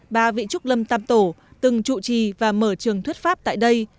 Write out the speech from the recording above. ba vị trúc lâm tam tổ từng trụ trì và mở trường thuyết pháp tại đây